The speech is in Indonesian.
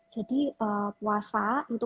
jadi puasa itu